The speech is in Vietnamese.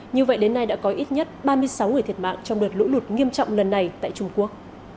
như vậy đến nay đã có ít nhất ba mươi sáu người thiệt mạng trong đợt lũ lụt nghiêm trọng lần này tại trung quốc